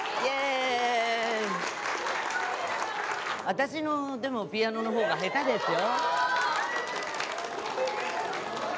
私のピアノの方が下手ですよ。